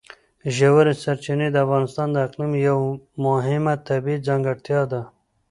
ژورې سرچینې د افغانستان د اقلیم یوه مهمه طبیعي ځانګړتیا ده.